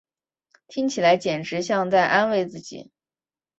听起来简直像在安慰自己